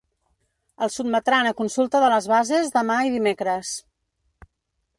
El sotmetran a consulta de les bases demà i dimecres.